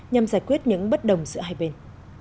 nhằm giải quyết những bất đồng giữa hai bên